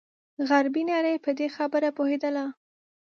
غربي نړۍ په دې خبره پوهېدله.